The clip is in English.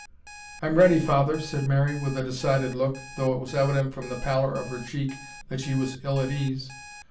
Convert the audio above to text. "I'm ready, father," said Mary with a decided look, though it was evident, from the pallor of her cheek, that she was ill at ease.